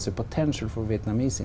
quốc gia việt nam